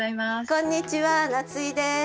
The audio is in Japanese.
こんにちは夏井です。